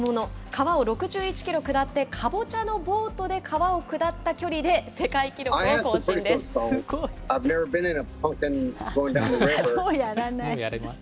川を６１キロ下ってかぼちゃのボートで川を下った距離で、世界記すごい。